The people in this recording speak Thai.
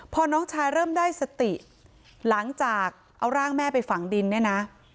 พอน้องชายเริ่มได้สติหลังจากเอาร่างแม่ไปฝังดินเนี่ยนะ